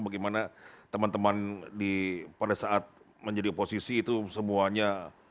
bagaimana teman teman pada saat menjadi oposisi itu semuanya